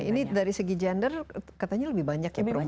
ini dari segi gender katanya lebih banyak ya perempuan